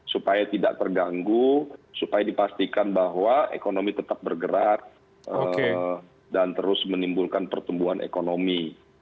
supaya tidak terganggu supaya dipastikan bahwa ekonomi tetap bergerak dan terus menimbulkan pertumbuhan ekonomi